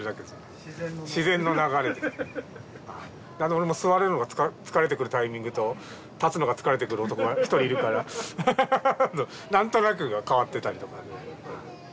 俺も座るのが疲れてくるタイミングと立つのが疲れてくる男が一人いるから何となく代わってたりとか。